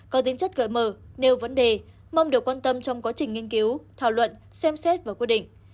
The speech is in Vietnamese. có tính chất gợi mở nêu vấn đề mong được quan tâm trong quá trình nghiên cứu thảo luận xem xét và quyết định